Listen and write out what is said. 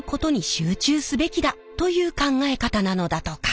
という考え方なのだとか。